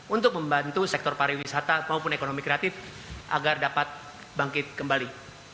untuk membantu sektor pariwisata maupun ekonomi kreatif agar dapat bangkit kembali